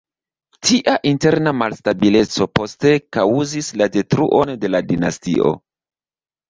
Tia interna malstabileco poste kaŭzis la detruon de la dinastio.